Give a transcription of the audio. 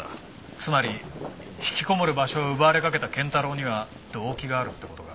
つまり引きこもる場所を奪われかけた賢太郎には動機があるって事か。